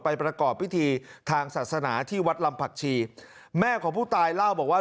ประกอบพิธีทางศาสนาที่วัดลำผักชีแม่ของผู้ตายเล่าบอกว่า